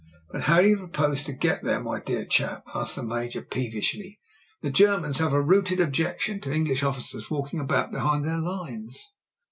"But how do you propose to get there, my dear chap?" asked the Major, peevishly. "The Germans have a rooted objection to English officers walking about behind their lines."